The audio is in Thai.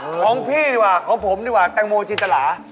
ของพี่ดีกว่าของผมดีกว่าแตงโมจินตรา